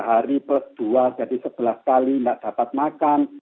yang tiga hari plus dua jadi sebelah kali enggak dapat makan